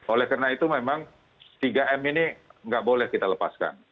oleh karena itu memang tiga m ini nggak boleh kita lepaskan